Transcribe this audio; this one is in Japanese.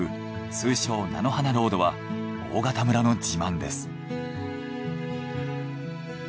通称菜の花ロードは大潟村の自慢です。